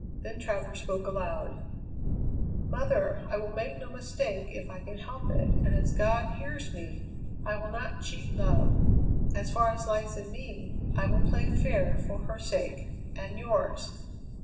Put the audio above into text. Then Travers spoke aloud: "Mother, I will make no mistake if I can help it, and as God hears me, I will not cheat love. As far as lies in me, I will play fair for her sake and yours!"